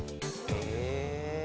へえ。